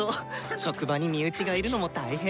職場に身内がいるのも大変。